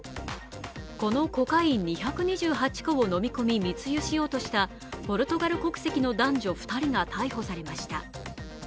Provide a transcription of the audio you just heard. このコカイン２２８個を飲み込み密輸しようとしたポルトガル国籍の男女２人が逮捕されました。